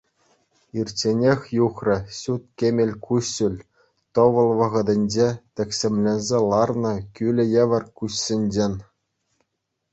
Ирчченех юхрӗ ҫут кӗмӗл куҫҫуль тӑвӑл вӑхӑтӗнче тӗксӗмленсе ларнӑ кӳлӗ евӗр куҫсенчен.